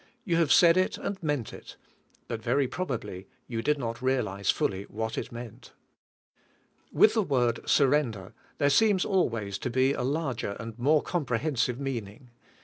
You have said it, and meant it; but very probably you did not realize fully what it meant. With the word surrender there seems always to be a larger and more comprehensive meaning.